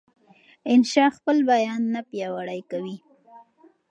انشا خپل بیان نه پیاوړی کوي.